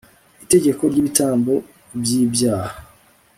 itegeko ry ibitambo by ibyaha